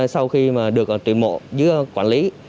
sau khi mà được tuyển mộ dưới quản lý